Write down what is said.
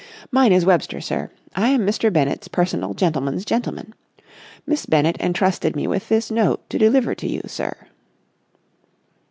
"Mine is Webster, sir. I am Mr. Bennett's personal gentleman's gentleman. Miss Bennett entrusted me with this note to deliver to you, sir."